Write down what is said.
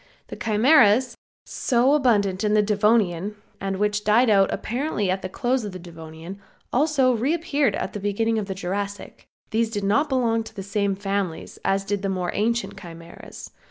The Chimeras, so abundant in the Devonian and which died out apparently at the close of the Devonian, also reappeared at the beginning of the Jurassic. These did not belong to the same families as did the more ancient Chimeras.